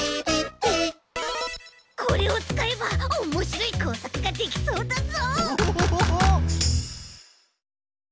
これをつかえばおもしろいこうさくができそうだぞ！